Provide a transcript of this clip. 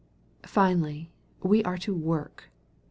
Finally, we are to wo^k.